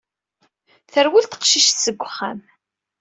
Terwel teqcict seg wexxam.